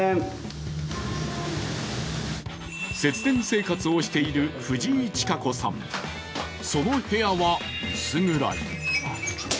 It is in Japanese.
節電生活をしているフジイチカコさん、その部屋は薄暗い。